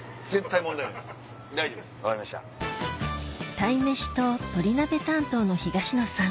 鯛めしと鶏鍋担当の東野さん